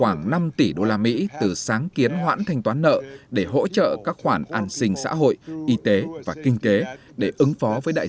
vì vậy chỉ bốn mươi ba quốc gia trong tổng số bảy mươi ba quốc gia được hưởng khoảng năm tỷ usd từ sáng kiến hoãn thanh toán nợ để hỗ trợ các khoản an sinh xã hội y tế và kinh tế để ứng phó với đại dịch